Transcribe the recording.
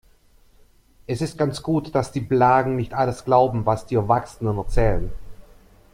Es ist ganz gut, dass die Blagen nicht alles glauben, was die Erwachsenen erzählen.